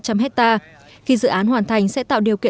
khi dự án hoàn thành sẽ tạo điều kiện cho các nông nghiệp huyện châu phú